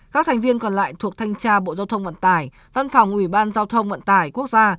các thành viên còn lại thuộc thanh tra bộ giao thông vận tải văn phòng ủy ban giao thông vận tải quốc gia